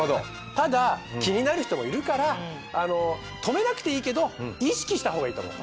ただ気になる人もいるから止めなくていいけど意識したほうがいいと思う。